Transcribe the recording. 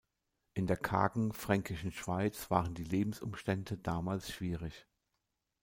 In der kargen Fränkischen Schweiz waren die Lebensumstände damals schwierig.